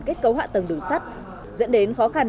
kết cấu hạ tầng đường sắt dẫn đến khó khăn